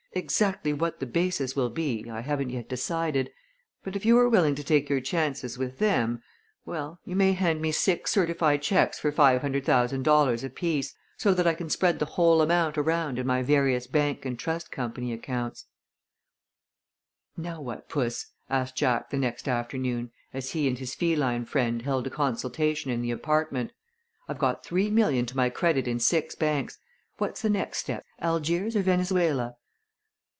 Exactly what the basis will be I haven't yet decided, but if you are willing to take your chances with them well, you may hand me six certified checks for five hundred thousand dollars apiece, so that I can spread the whole amount around in my various bank and trust company accounts." "Now what, Puss?" asked Jack the next afternoon, as he and his feline friend held a consultation in the apartment. "I've got three million to my credit in six banks. What's the next step Algiers or Venezuela?"